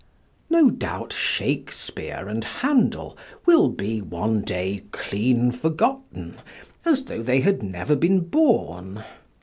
No doubt Shakespeare and Handel will be one day clean forgotten, as though they had never been born.